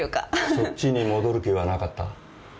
そっちに戻る気はなかった？